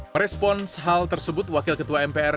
merespons hal tersebut wakil ketua mpr